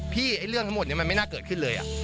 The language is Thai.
เรื่องทั้งหมดนี้มันไม่น่าเกิดขึ้นเลย